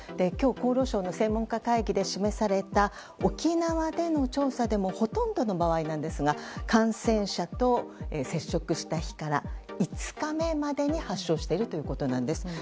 今日、厚労省の専門家会議で示された沖縄での調査でもほとんどの場合なんですが感染者と接触した日から５日目までに発症しているということなんです。